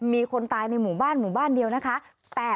มีคนตายในหมู่บ้านหมู่บ้านเดียวนะคะ